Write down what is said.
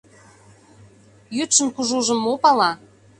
Йӱдшын кужужым мо пала?